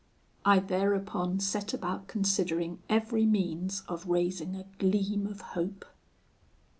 I thereupon set about considering every means of raising a gleam of hope.